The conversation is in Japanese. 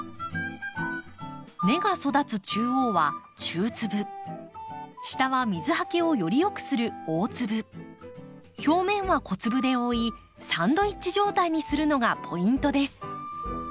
根が育つ中央は中粒下は水はけをよりよくする大粒表面は小粒で覆いサンドイッチ状態にするのがポイントです。